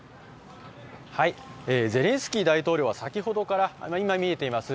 ゼレンスキー大統領は先ほどから今見えています